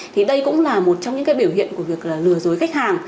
thì đây cũng là một trong những cái biểu hiện của việc là lừa dối khách hàng